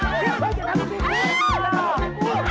โอ้โฮช่วยกับพ่อ